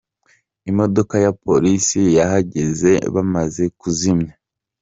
Imodoka ya Polisi yahageze bamaze kuzimya.